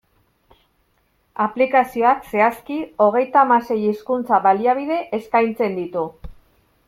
Aplikazioak, zehazki, hogeita hamasei hizkuntza-baliabide eskaintzen ditu.